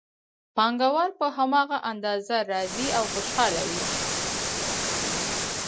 پانګوال په هماغه اندازه راضي او خوشحاله وي